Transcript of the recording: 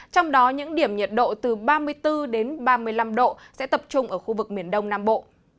trong đó những điểm nhiệt độ từ ba mươi bốn đến ba mươi năm độ sẽ tập trung ở khu vực miền đông nam bộ